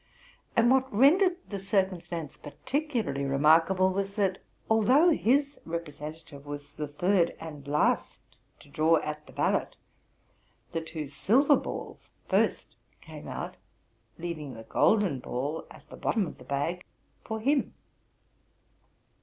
And what rendered the circumstance particularly remarkable was, that, although his representative was the third and last to draw at the bal lot, the two silver balls first came out, leaving the golden hall at the bottom of the bag for him.